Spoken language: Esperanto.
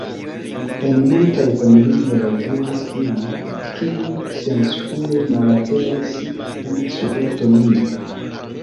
En multaj familioj vivis iu, kiu senspure malaperis en Sovetunio.